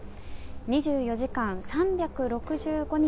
２４時間３６５日